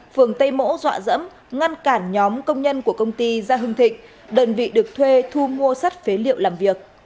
phường tây mỗ dọa dẫm ngăn cản nhóm công nhân của công ty gia hưng thịnh đơn vị được thuê thu mua sắt phế liệu làm việc